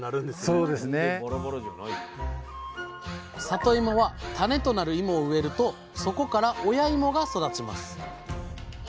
さといもは種となるいもを植えるとそこから親いもが育ちます。